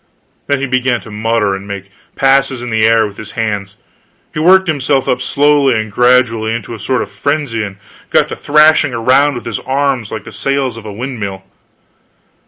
Then he began to mutter and make passes in the air with his hands. He worked himself up slowly and gradually into a sort of frenzy, and got to thrashing around with his arms like the sails of a windmill.